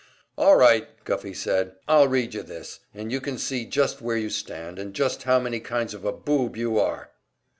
"All right," Guffey said, "I'll read you this, and you can see just where you stand, and just how many kinds of a boob you are."